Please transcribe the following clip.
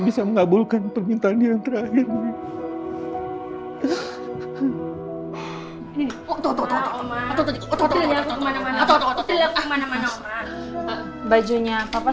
bisa mengabulkan permintaannya yang terakhir ini otot otot otot otot otot otot bajunya papa